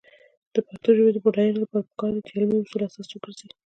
د پښتو ژبې د بډاینې لپاره پکار ده چې علمي اصول اساس وګرځي.